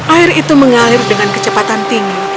air itu mengalir dengan kecepatan tinggi